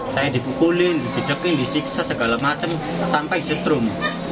saya dibukulin dibecekin disiksa segala macem sampai di setrum